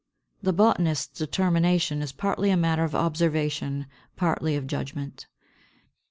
The botanist's determination is partly a matter of observation, partly of judgment.